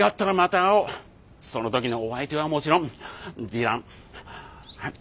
その時のお相手はもちろんディランハッハッ。